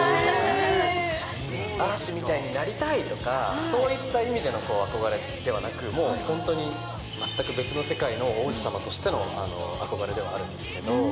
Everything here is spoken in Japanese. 嵐みたいになりたいとか、そういった意味での憧れではなく、もう本当に、全く別の世界の王子様としての憧れではあるんですけど。